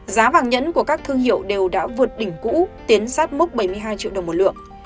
giá vàng nhẫn của các thương hiệu đều đã vượt đỉnh cũ tiến sát mốc bảy mươi hai triệu đồng một lượng